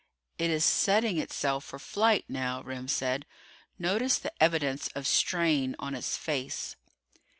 "It is setting itself for flight now," Remm said. "Notice the evidence of strain on its face."